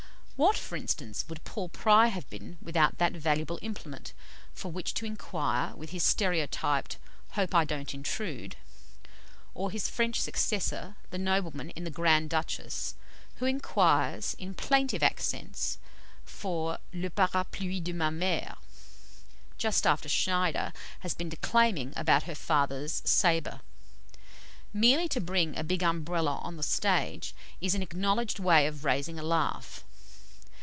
What, for instance, would Paul Pry have been without that valuable implement for which to inquire with his stereotyped "Hope I don't intrude?" Or his French successor, the nobleman in "The Grand Duchess," who inquires, in plaintive accents, for "Le parapluie de ma mere," just after Schneider has been declaiming about her father's sabre? Merely to bring a big Umbrella on the stage is an acknowledged way of raising a laugh.